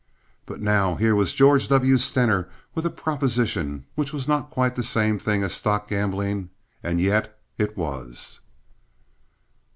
But now here was George W. Stener with a proposition which was not quite the same thing as stock gambling, and yet it was.